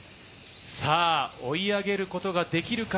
追い上げることができるか？